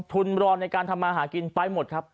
รอในการทำมาหากินไปหมดครับ